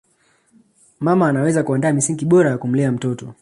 mama anaweza kuandaa misingi bora ya kumlea mtoto